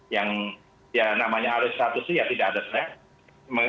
yang ya namanya alis status ya tidak ada seleksi